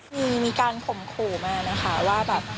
นี่มีการข่มขู่มาแล้วนะคะว่าแบบ